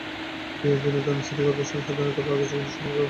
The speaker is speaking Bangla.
বিনোদনের জন্য সিটি করপোরেশনের স্বাধীনতা পার্ক আছে, কিন্তু সঠিক ব্যবহার নেই।